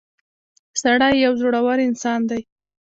• سړی یو زړور انسان دی.